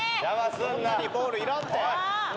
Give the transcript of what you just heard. そんなにボールいらんて。